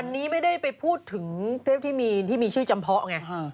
อันนี้ไม่ได้ไปพูดถึงเทพที่มีชื่อจำเพาะไง